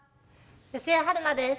吉江晴菜です。